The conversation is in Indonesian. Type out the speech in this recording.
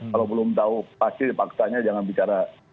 kalau belum tahu pasti paksanya jangan bicara